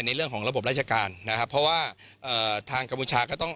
ในเรื่องของระบบราชการนะครับเพราะว่าเอ่อทางกัมพูชาก็ต้อง